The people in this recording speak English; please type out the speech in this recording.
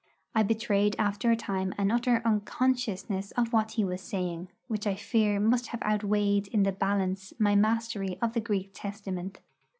I betrayed after a time an utter unconsciousness of what he was saying, which I fear must have outweighed in the balance my mastery of the Greek Testament.